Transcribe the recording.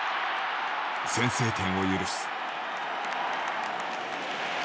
先制点を許す。